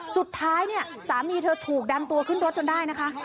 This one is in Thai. สุดท้ายสามีเธอถูกดำตัวขึ้นรถก็ได้นะคะ